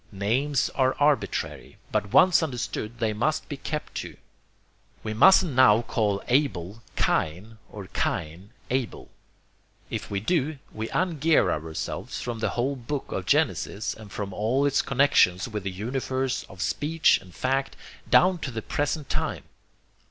Names are arbitrary, but once understood they must be kept to. We mustn't now call Abel 'Cain' or Cain 'Abel.' If we do, we ungear ourselves from the whole book of Genesis, and from all its connexions with the universe of speech and fact down to the present time.